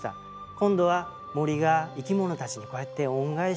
今度は森が生き物たちにこうやって恩返しをしてるんですよね。